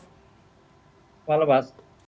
selamat malam pak